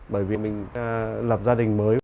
bởi vì mình lập gia đình mới